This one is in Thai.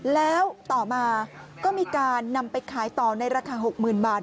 แล้วต่อมาก็มีการนำไปขายต่อในราคา๖๐๐๐บาท